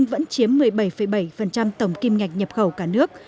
vẫn chiếm một mươi bảy bảy tổng kim ngạch nhập khẩu cả nước